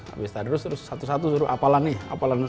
abis tadarus terus satu satu suruh apalan nih